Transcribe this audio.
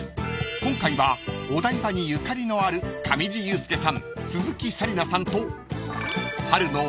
［今回はお台場にゆかりのある上地雄輔さん鈴木紗理奈さんと］えっ！？